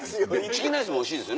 チキンライスもおいしいです。